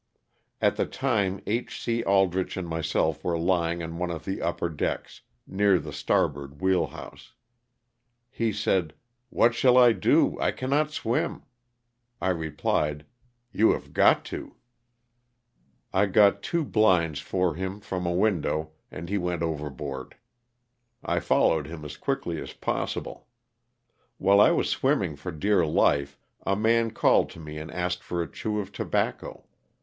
At the time H. C. Aldrich and myself were lying on one of the upper decks, near the starboard wheel house. He said, *' What shall I do, I cannot swim?" 1 replied, " You have got to." I got two 110 LOSS OF THE SULTANA. blinds for him from a window and he went overboard. I followed him as quickly as possible. While I was swimming for dear life, a man called to me and asked for a chew of tobacco.